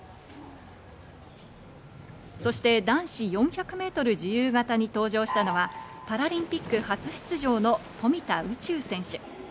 そして男子４００ｍ自由形に登場したのはパラリンピック初出場の富田宇宙選手。